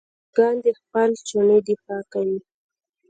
چرګان د خپل چوڼې دفاع کوي.